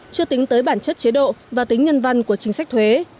chưa tính tới bản chất chế độ và tính nhân văn của chính sách thuế